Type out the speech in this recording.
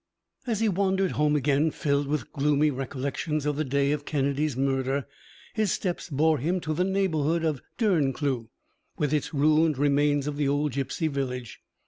As he wandered home again, filled with gloomy recollections of the day of Kennedy's murder, his steps bore him to the neighbourhood of Derncleugh, with its ruined remains of the old gipsy village.